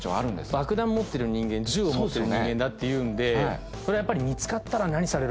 爆弾持ってる人間銃を持ってる人間だっていうんで。はありました。